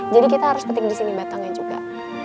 jadi kita harus petik di sini batangnya juga